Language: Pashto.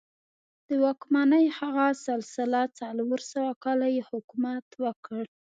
د واکمنۍ هغه سلسله څلور سوه کاله یې حکومت وکړ.